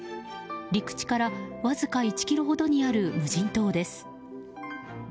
陸地からわずか１ｋｍほどにある無人島です。